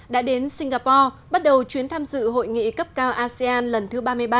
đã đến singapore bắt đầu chuyến tham dự hội nghị cấp cao asean lần thứ ba mươi ba